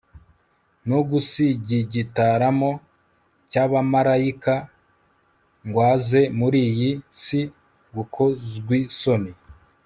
no gusigigitaramo cyabamaraika ngw aze muriyi si gukozwisoni